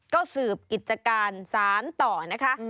ก็สืบกิจการสารต่อนะคะ